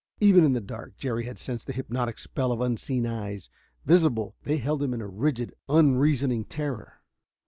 Even in the dark Jerry had sensed the hypnotic spell of unseen eyes. Visible, they held him in a rigid, unreasoning terror.